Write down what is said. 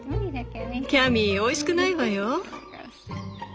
キャミーおいしくないわよ。